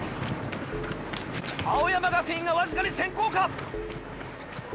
青山学院がわずかに先行か？